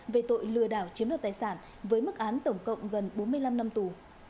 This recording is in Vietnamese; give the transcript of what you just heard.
về tội lừa đảo chiếm đoạt tài sản với mức án tổng cộng gần bốn mươi năm năm tù